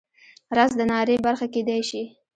رس د ناري برخه کیدی شي